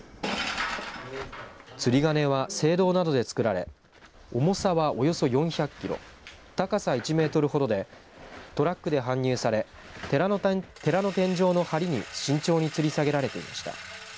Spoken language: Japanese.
釣り鐘は青銅などで作られ重さは、およそ４００キロ高さ１メートルほどでトラックで搬入され寺の天井のはりに慎重に釣り下げられていました。